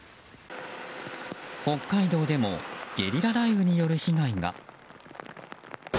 北海道でもゲリラ雷雨による被害が。